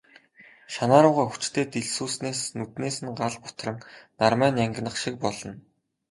Шанаа руугаа хүчтэй дэлсүүлснээс нүднээс нь гал бутран, нармай нь янгинах шиг болно.